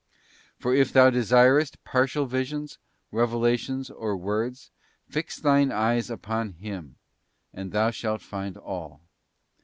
For if thou desirest partial visions, revelations, or words, fix thine eyes upon Him, and thou shalt find all.